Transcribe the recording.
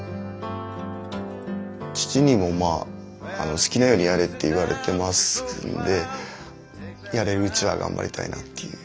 父にもまあ好きなようにやれって言われてますんでやれるうちは頑張りたいなっていう。